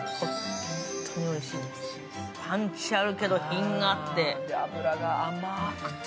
パンチあるけど品があって甘くて。